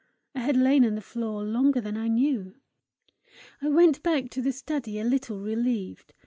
I had lain on the floor longer than I knew. I went back to the study a little relieved.